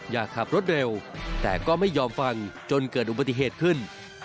อย่าขับรถเร็วแต่ก็ไม่ยอมฟังจนเกิดอุบัติเหตุขึ้น